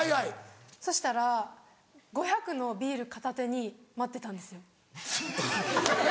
そしたら５００のビール片手に待ってたんですよ。